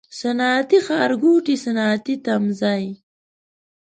صنعتي ښارګوټی، صنعتي تمځای